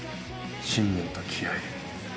信念と気合。